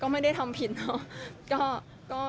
ไม่ได้ทำผิดเนอะ